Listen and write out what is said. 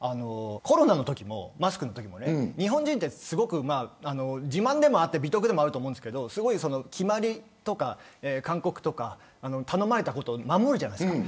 コロナのときもマスクのときも日本人は自慢でもあって美徳でもあると思うんですけど決まりとか勧告とか頼まれたことを守るじゃないですか。